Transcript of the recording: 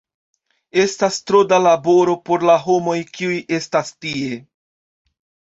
Estas tro da laboro por la homoj kiuj estas tie.